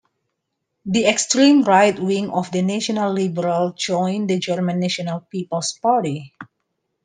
The extreme right wing of the National Liberals joined the German National People's Party.